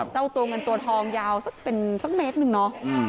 เจ้าตัวเงินตัวทองยาวสักเป็นสักเมตรหนึ่งเนาะ